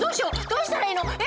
どうしたらいいの？